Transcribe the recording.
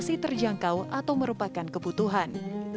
masih terjangkau atau merupakan kebutuhan